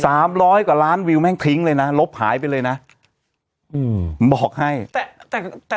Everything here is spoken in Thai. ร้อยกว่าล้านวิวแม่งพริ้งเลยนะลบหายไปเลยนะอืมบอกให้แต่แต่แต่